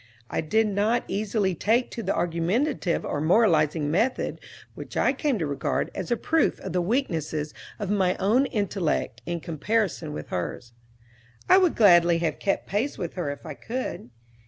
I did not easily take to the argumentative or moralizing method, which I came to regard as a proof of the weakness of my own intellect in comparison with hers. I would gladly have kept pace with her if I could.